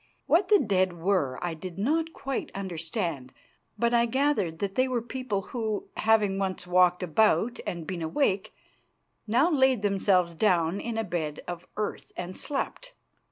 What the dead were I did not quite understand, but I gathered that they were people who, having once walked about and been awake, now laid themselves down in a bed of earth and slept.